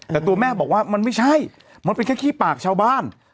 แต่ตัวแม่บอกว่ามันไม่ใช่มันเป็นแค่ขี้ปากชาวบ้าน